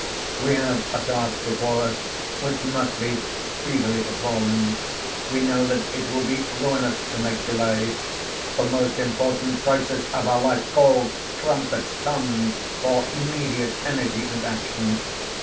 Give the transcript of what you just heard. We have a task before us which must be speedily performed. We know that it will be ruinous to make delay. The most important crisis of our life calls, trumpet tongued, for immediate energy and action.